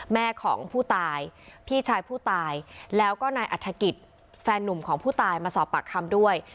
แม่ของผู้ตายพี่ชายผู้ตายแล้วก็นายอัฐกิจแฟนนุ่มของผู้ตายมาสอบปากคำด้วย